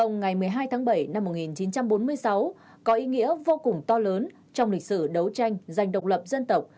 ngày một mươi hai tháng bảy năm một nghìn chín trăm bốn mươi sáu có ý nghĩa vô cùng to lớn trong lịch sử đấu tranh giành độc lập dân tộc